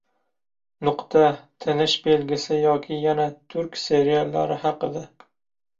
«Nuqta» — tinish belgisi yoki yana turk seriallari haqida